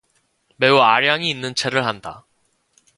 매우 아량이 있는 체를 한다.